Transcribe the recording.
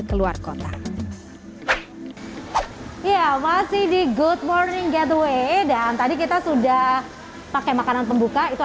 keluar kota ya masih di good morning getaway dan tadi kita sudah pakai makanan pembuka itu